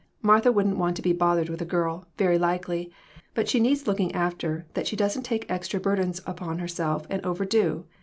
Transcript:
Martha wouldn't want to be bothered with a girl, very likely, but she needs looking after, that she doesn't take extra burdens on herself and overdo.